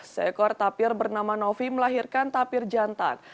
seekor tapir bernama novi melahirkan tapir jantan